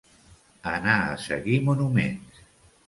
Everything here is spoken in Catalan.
Anar a seguir monuments.